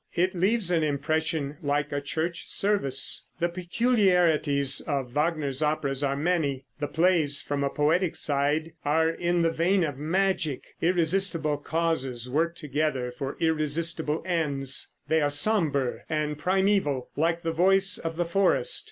It leaves an impression like a church service. The peculiarities of Wagner's operas are many. The plays, from a poetic side, are in the vein of magic; irresistible causes work together for irresistible ends. They are somber and primeval, like the voice of the forest.